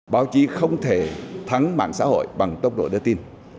báo chí không thể thắng mạng xã hội bằng tốc độ đưa tin